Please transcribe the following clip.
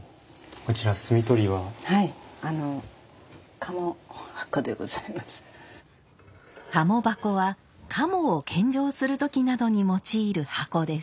鴨箱は鴨を献上する時などに用いる箱です。